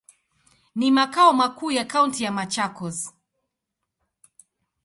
Ni makao makuu ya kaunti ya Machakos.